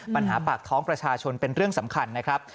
ปัญหาปากท้องประชาชนเป็นเรื่องสำคัญนะครับ